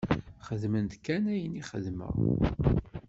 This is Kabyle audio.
Xedmemt kan ayen i xedmeɣ!